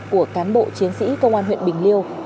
của cán bộ chiến sĩ công an huyện bình liêu